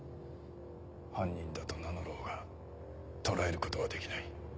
犯人だと名乗ろうが捕らえることはできない。